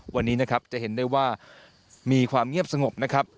วันนี้นะครับจะเห็นได้ว่ามีความเงียบสงบนะครับ